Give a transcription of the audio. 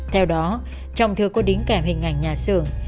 theo đó trong thơ có đính kèm hình ảnh nhà xưởng